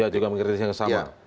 dia juga mengkritisi yang sama